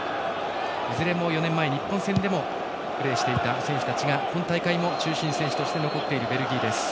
いずれも４年前、日本戦でもプレーしていた選手たちが今大会も中心選手として残っているベルギーです。